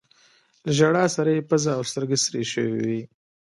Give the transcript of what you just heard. له ژړا سره يې پزه او سترګې سرې شوي وې.